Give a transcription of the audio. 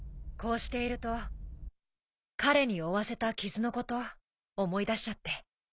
こうしていると彼に負わせた傷のこと思い出しちゃって。